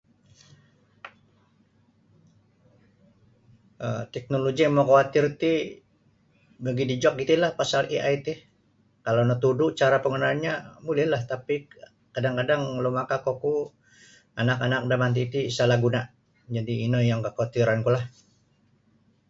um teknoloji yang makawatir ti bagi dijok itilah pasal AI ti kalau natudu cara panggunaannyo bulilah tapi kadang-kadang lumakak oku anak-anak damanti ti salah guna jadi ino yang kakawatirankulah.